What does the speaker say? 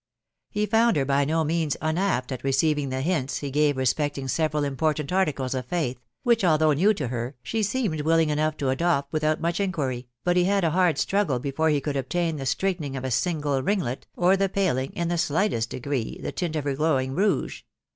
He found her by no means unapt at receiving the hints he gave lespeoUag several important articles of faith, which, although new to her, she seemed willing enough to adopt without much inquiry, but he had a hard struggle before he could obtain the straight ening of a single ringlet, or the paling, in the slightest degree, the tint of her glowing rouge.